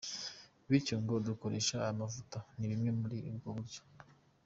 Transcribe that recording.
Bityo ngo gukoresha aya mavuta ni bumwe muri ubwo buryo.